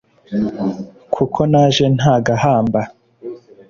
Kuko naje nta gahamba